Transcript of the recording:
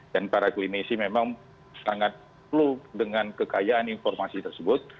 dan para klinisi memang sangat perlu dengan kekayaan informasi tersebut